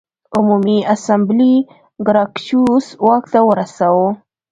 عمومي اسامبلې ګراکچوس واک ته ورساوه